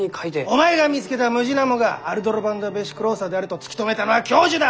お前が見つけたムジナモがアルドロヴァンダ・ヴェシクローサであると突き止めたのは教授だ！